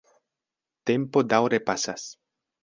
Tempo daŭre pasas.